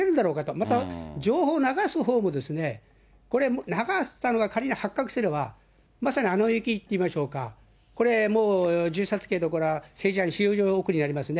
また、情報を流すほうもこれ、流したのが仮に発覚すれば、まさにあの世行きっていきましょうか、これ、もう銃殺刑どころか政治犯の収容所送りになりますね。